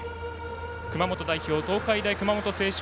熊本代表東海大熊本星翔